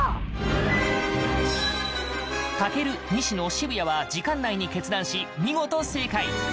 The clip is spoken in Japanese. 健、西野、渋谷は時間内に決断し、見事正解！